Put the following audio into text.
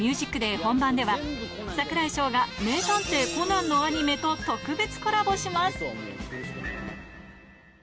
本番では櫻井翔が、名探偵コナンのアニメと特別コラボします。